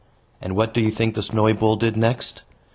And what do you think the snowy bull did next?